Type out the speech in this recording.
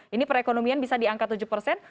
ini perekonomian bisa diangkat tujuh persen